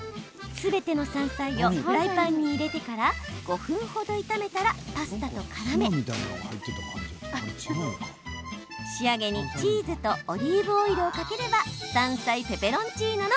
全ての山菜をフライパンに入れてから５分ほど炒めたらパスタとからめ仕上げにチーズとオリーブオイルをかければ山菜ペペロンチーノの完成。